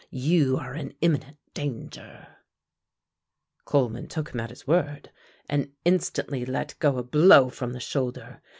you are in imminent danger." Coleman took him at his word and instantly let go a blow from the shoulder.